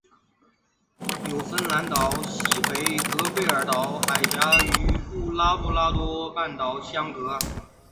纽芬兰岛西北隔贝尔岛海峡与拉布拉多半岛相隔。